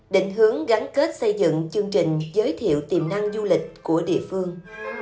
định hướng gắn kết xây dựng chương trình giới thiệu tiềm năng du lịch của địa phương